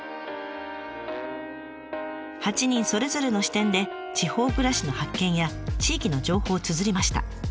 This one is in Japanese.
８人それぞれの視点で地方暮らしの発見や地域の情報をつづりました。